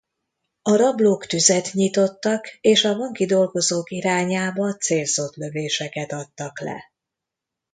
A rablók tüzet nyitottak és a banki dolgozók irányába célzott lövéseket adtak le.